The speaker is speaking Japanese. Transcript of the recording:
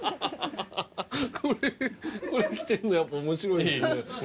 これこれ着てるのやっぱ面白いですね